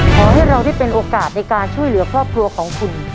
ขอให้เราได้เป็นโอกาสในการช่วยเหลือครอบครัวของคุณ